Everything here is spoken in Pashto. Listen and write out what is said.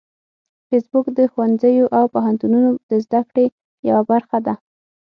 فېسبوک د ښوونځیو او پوهنتونونو د زده کړې یوه برخه ده